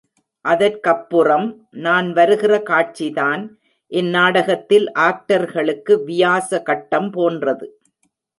அதற்கப்புறம் நான் வருகிற காட்சிதான், இந் நாடகத்தில் ஆக்டர்களுக்கு வியாச கட்டம் போன்றது.